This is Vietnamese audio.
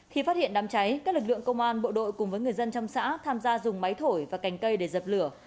khi phát hiện đám cháy các lực lượng công an bộ đội cùng với người dân trong xã tham gia dùng máy thổi và cành cây để dập lửa